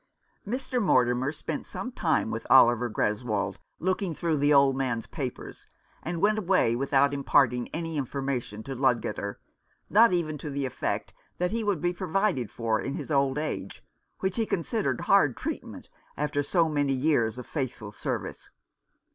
Mr. Mortimer spent some time with Oliver Greswold, looking through the old man's papers, and went away without imparting any information to Ludgater, not even to the effect that he would be provided for in his old age, which he considered hard treatment, after so many years of faithful service.